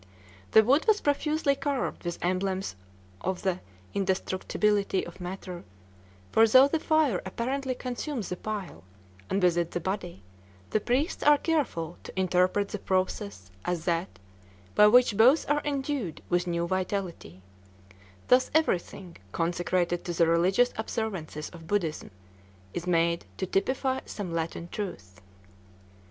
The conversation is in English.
The wood was profusely carved with emblems of the indestructibility of matter; for though the fire apparently consumes the pile, and with it the body, the priests are careful to interpret the process as that by which both are endued with new vitality; thus everything consecrated to the religious observances of Buddhism is made to typify some latent truth.